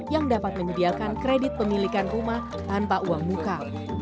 yang dapat menyediakan kredit pemilikan rumah tanpa uang muka